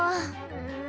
うん。